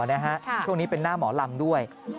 ช่วงนี้เป็นหน้าหมอลำด้วย